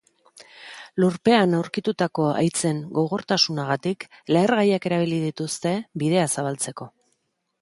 Lurpean aurkitutako haitzen gogortasunagatik, lehergaiak erabili dituzte, bidea zabaltzeko.